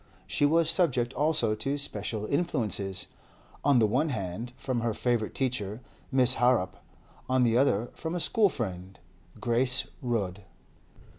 She was subject also to special influences: on the one hand, from her favourite teacher, Miss Harrop; on the other, from a school friend, Grace Rudd.